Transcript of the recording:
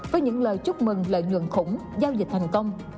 với những lời chúc mừng lợi nhuận khủng giao dịch thành công